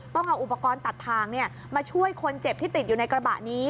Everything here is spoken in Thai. ต้องเอาอุปกรณ์ตัดทางมาช่วยคนเจ็บที่ติดอยู่ในกระบะนี้